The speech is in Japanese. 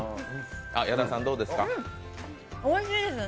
おいしいです！